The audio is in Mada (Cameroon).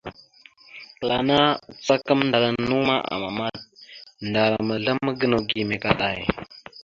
Kəla ana acaka amndal naw ma, amamat. Ndaram azlam gənaw gime kaɗay.